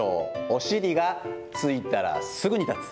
お尻がついたらすぐに立つ。